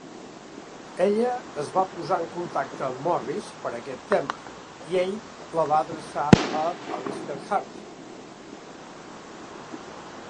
Ella es va posar en contacte amb Morris per aquest tema i ell la va adreçar a Alister Hardy.